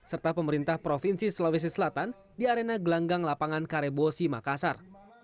serta pemerintah provinsi sulawesi selatan di arena gelanggang lapangan karebosi makassar